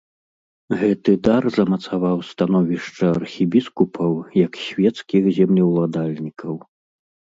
Гэты дар замацаваў становішча архібіскупаў як свецкіх землеўладальнікаў.